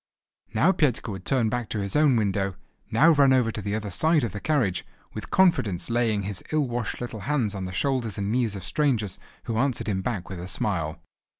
Now Petka would turn back to his own window, now run over to the other side of the carriage, with confidence laying his ill washed little hands on the shoulders and knees of strangers, who answered him back with a smile.